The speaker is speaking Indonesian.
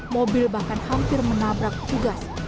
mobil bahkan hampir menabrak tugas